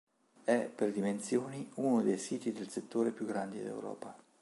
È per dimensioni uno dei siti del settore più grandi d'Europa.